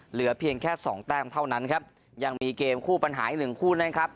เหลือเพียงแค่สองแต้มเท่านั้นครับยังมีเกมคู่ปัญหาอีกหนึ่งคู่นะครับ